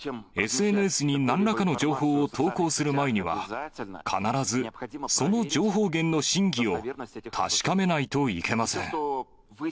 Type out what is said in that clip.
ＳＮＳになんらかの情報を投稿する前には、必ずその情報源の真偽を確かめないといけません。